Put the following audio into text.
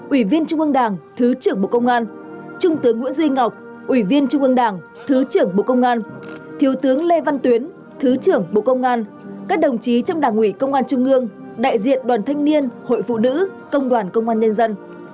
ủy viên trung ương đảng thứ trưởng bộ công an trung tướng nguyễn duy ngọc ủy viên trung ương đảng thứ trưởng bộ công an thiếu tướng lê văn tuyến thứ trưởng bộ công an các đồng chí trong đảng ủy công an trung ương đại diện đoàn thanh niên hội phụ nữ công đoàn công an nhân dân